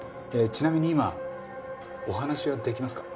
ちなみに今お話しはできますか？